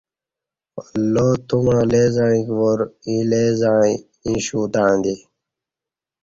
اللہ تومع لے زعیک وار ییں لے زعا ییں شو تݩع دی